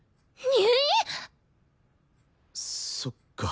そっか。